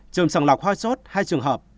trường sẵn lọc hoa sốt hai trường hợp